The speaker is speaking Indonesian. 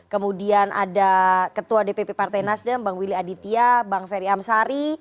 kemudian ada ketua dpp partai nasdem bang willy aditya bang ferry amsari